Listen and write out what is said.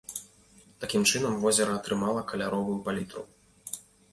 Такім чынам возера атрымала каляровую палітру.